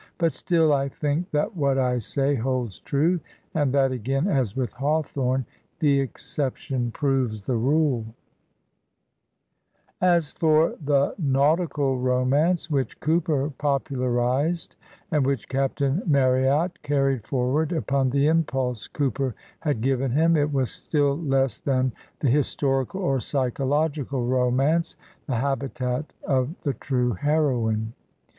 But still I think that what I say holds true, and that again, as with Hawthorne, the exception proves the rule. 114 Digitized by VjOOQIC A HEROINE OF BULWER'S As for the nautical romance which Cooper popular ized, and which Captain Marryat carried forward upon the impulse Cooper had given him, it was, still less than the historical or psychological romance, the habitat of the true heroine.